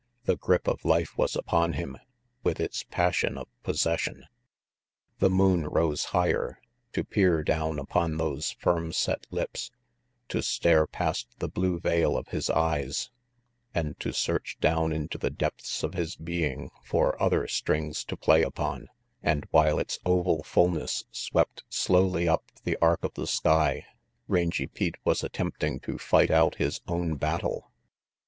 The grip of life was upon him, with its passion of possession. The moon rose higher, to peer down upon those firm set lips, to stare past the blue veil of his eyes, and to search down in the depths of his being for other strings to play upon; and while its oval fullness swept slowly up the arc of the sky, Rangy Pete was attempting to fight out his own battle.